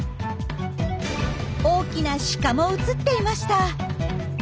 大きなシカも映っていました。